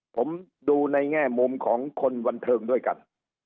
ผมดูในแง่มุมของคนบันเทิงด้วยกัน